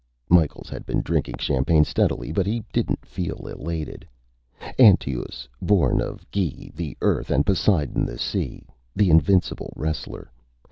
Micheals had been drinking champagne steadily, but he didn't feel elated. Antaeus, born of Ge, the Earth, and Poseidon, the Sea. The invincible wrestler.